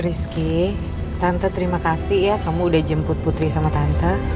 rizky tante terima kasih ya kamu udah jemput putri sama tante